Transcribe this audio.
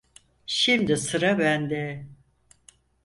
Şimdi sıra bende!